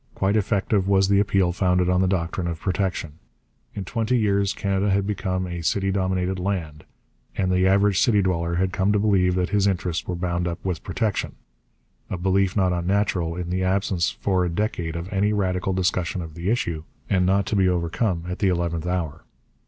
Quite effective was the appeal founded on the doctrine of protection. In twenty years Canada had become a city dominated land, and the average city dweller had come to believe that his interests were bound up with protection a belief not unnatural in the absence for a decade of any radical discussion of the issue, and not to be overcome at the eleventh hour.